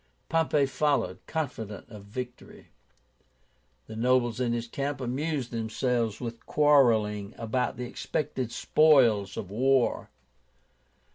Pompey followed, confident of victory. The nobles in his camp amused themselves with quarrelling about the expected spoils of war.